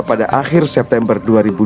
pada akhir september dua ribu dua puluh